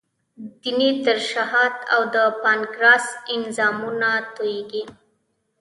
د ینې ترشحات او د پانکراس انزایمونه تویېږي.